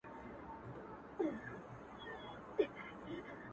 د هغوی د قوم، قبیلې یا کورني نوم